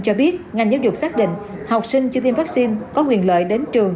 cho biết ngành giáo dục xác định học sinh chưa tiêm vaccine có quyền lợi đến trường